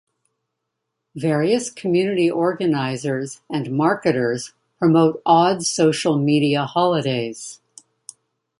Various community organizers and marketers promote odd social media holidays.